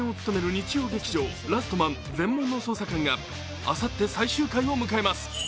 日曜劇場「ラストマン―全盲の捜査官―」があさって最終回を迎えます。